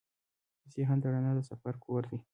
ذهن د رڼا د سفر کور دی.